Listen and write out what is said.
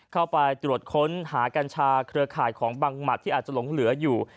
เข้าไปตรวจค้นหากัญชาเครือข่ายของบังหมัดที่อาจจะหลงเหลืออยู่